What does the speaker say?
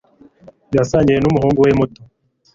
yasangiye n'umuhungu we muto